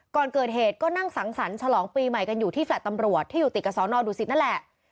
ก่อนเกิดเหตุก็นั่งสังสรรค์ฉลองปีใหม่กันอยู่ที่แฟลต์ตำรวจที่อยู่ติดกับสอนอดุสิตนั่นแหละ